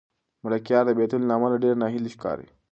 ملکیار د بېلتون له امله ډېر ناهیلی ښکاري.